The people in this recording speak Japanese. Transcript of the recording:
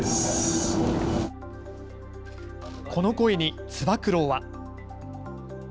この声につば九郎は。